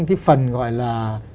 cái phần gọi là